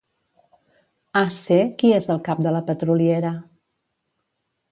AC Qui és el cap de la petroliera?